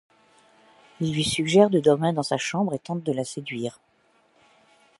Il lui suggère de dormir dans sa chambre et il tente de la séduire.